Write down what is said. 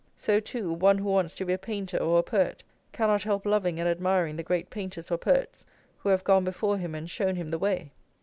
So, too, one who wants to be a painter or a poet cannot help loving and admiring the great painters or poets who have gone before him and shown him the way.